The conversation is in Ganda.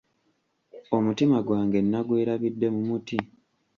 Omutima gwange nagwerabidde mu muti.